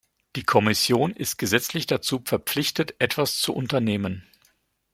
Die Kommission ist gesetzlich dazu verpflichtet, etwas zu unternehmen.